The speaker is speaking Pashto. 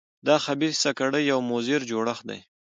دا د خبیثه کړۍ یو مضر جوړښت دی.